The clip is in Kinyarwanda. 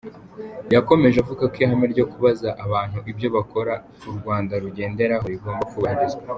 Yakomeje avuga ko ihame ryo kubaza abantu ibyo bakora u Rwanda rugenderaho rigomba kubahirizwa.